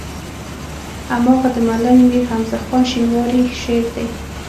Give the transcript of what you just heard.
هماغه د ملنګ مير حمزه خان شينواري شعر دی.